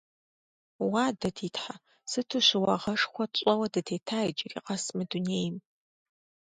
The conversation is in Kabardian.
Уа, ди Тхьэ, сыту щыуагъэшхуэ тщӀэуэ дытета иджыри къэс мы дунейм!